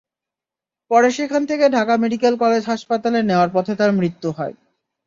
পরে সেখান থেকে ঢাকা মেডিকেল কলেজ হাসপাতালে নেওয়ার পথে তাঁর মৃত্যু হয়।